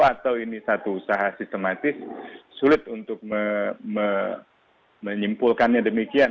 atau ini satu usaha sistematis sulit untuk menyimpulkannya demikian